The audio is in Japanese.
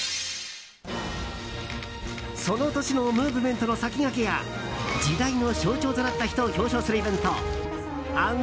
その年のムーブメントの先駆けや時代の象徴となった人を表彰するイベント